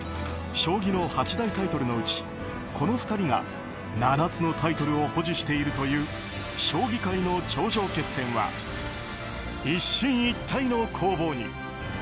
将棋の八大タイトルのうちこの２人が７つのタイトルを保持しているという将棋界の頂上決戦は一進一退の攻防に。